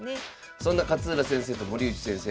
そんな勝浦先生と森内先生